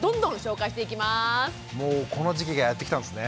もうこの時期がやって来たんですね。